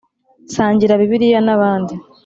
sangira bibliya na bandi